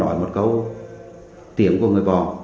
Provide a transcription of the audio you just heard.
nói một câu tiếng của người bò